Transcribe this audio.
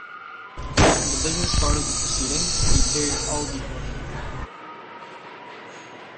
In the business part of the proceedings he carried all before him.